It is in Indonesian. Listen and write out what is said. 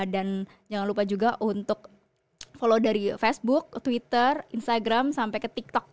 dan jangan lupa juga untuk follow dari facebook twitter instagram sampai ke tiktok